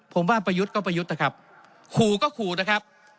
ผมว่าประยุทธ์ก็ประยุทธ์นะครับขู่ก็ขู่นะครับ